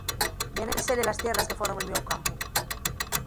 Vienen sele las tierras que fonon el miou campu.